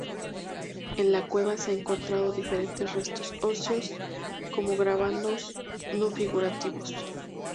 En la cueva se han encontrado diferentes restos óseos así como grabados no figurativos.